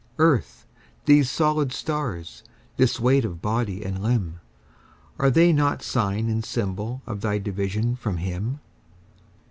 Earth, these solid stars, this weight of body and limb, Are they not sign and symbol of thy division from Him?